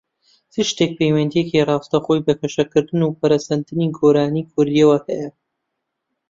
چ شتێکە پەیوەندییەکی ڕاستەوخۆی بە گەشەکردن و پەرەسەندنی گۆرانیی کوردییەوە هەیە؟